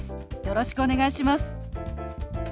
よろしくお願いします。